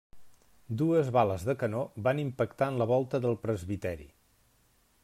Dues bales de canó van impactar en la volta del presbiteri.